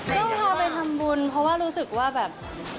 ต้องพาไปทำบุญเพราะว่ารู้สึกว่าแบบ